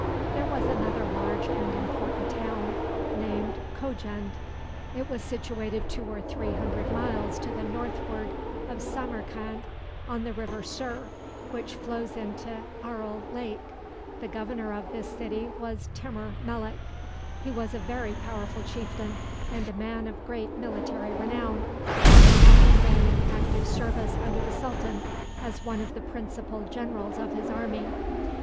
There was another large and important town named Kojend. It was situated two or three hundred miles to the northward of Samarcand, on the River Sir, which flows into Aral Lake. The governor of this city was Timur Melek. He was a very powerful chieftain, and a man of great military renown, having often been in active service under the sultan as one of the principal generals of his army.